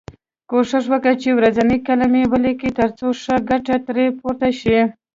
کوښښ وکړی چې ورځنۍ کلمې ولیکی تر څو ښه ګټه ترې پورته شی.